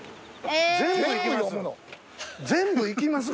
全部いきます？